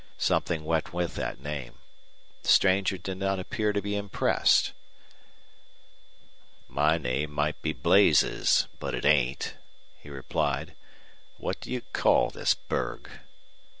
Something went with that name. The stranger did not appear to be impressed. "My name might be Blazes, but it ain't," he replied. "What do you call this burg?"